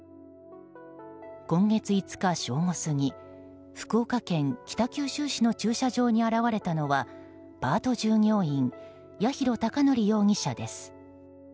今月５日正午過ぎ福岡県北九州市の駐車場に現れたのはパート従業員八尋孝則容疑者です。